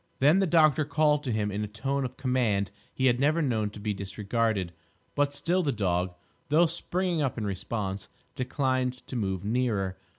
Then the doctor called to him in a tone of command he had never known to be disregarded; but still the dog, though springing up in response, declined to move nearer.